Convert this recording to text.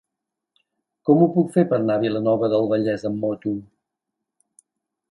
Com ho puc fer per anar a Vilanova del Vallès amb moto?